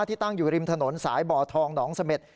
ตั้งอยู่ริมถนนสายบ่อทองหนองเสม็ด